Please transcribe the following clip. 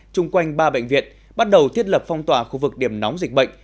chung quanh ba bệnh viện bắt đầu thiết lập phong tỏa khu vực điểm nóng dịch bệnh